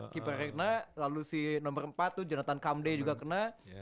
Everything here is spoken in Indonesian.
keeper regna lalu si nomor empat tuh jonathan kamde juga kena